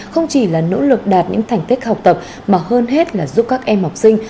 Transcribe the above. không chỉ là nỗ lực đạt những thành tích học tập mà hơn hết là giúp các em học sinh